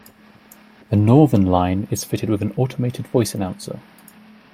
The Northern line is fitted with an automated voice announcer.